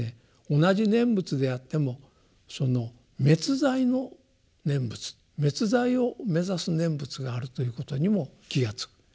同じ念仏であっても滅罪の念仏滅罪を目指す念仏があるということにも気が付く。